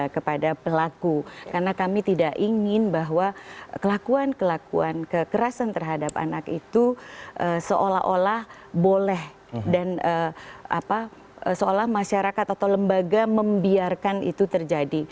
kepada pelaku karena kami tidak ingin bahwa kelakuan kelakuan kekerasan terhadap anak itu seolah olah boleh dan seolah masyarakat atau lembaga membiarkan itu terjadi